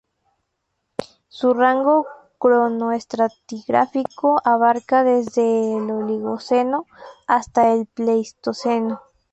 Su rango cronoestratigráfico abarca desde el Oligoceno hasta el Pleistoceno.